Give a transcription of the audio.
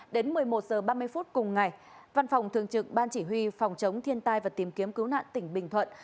đến một mươi một h ba mươi phút cùng ngày văn phòng thường trực ban chỉ huy phòng chống thiên tai và tìm kiếm cứu nạn tỉnh bình thuận